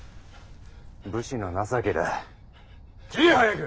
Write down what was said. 武士の情けだ切れ早ぐ！